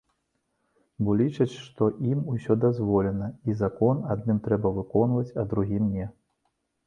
Бо лічаць, што ім усё дазволена, і закон адным трэба выконваць, а другім не.